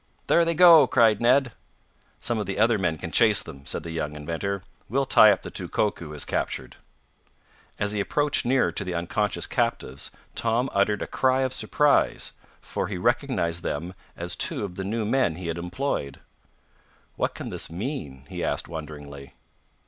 "There they go!" cried Ned. "Some of the other men can chase them," said the young inventor. "We'll tie up the two Koku has captured." As he approached nearer to the unconscious captives Tom uttered a cry of surprise, for he recognized them as two of the new men he had employed. "What can this mean?" he asked wonderingly.